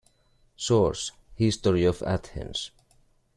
Source: History of Athens.